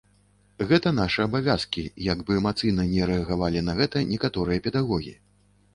Гэта нашы абавязкі, як бы эмацыйна ні рэагавалі на гэта некаторыя педагогі.